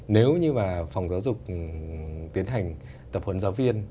nếu như mà phòng giáo dục tiến hành tập huấn giáo viên